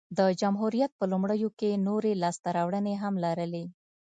د جمهوریت په لومړیو کې نورې لاسته راوړنې هم لرلې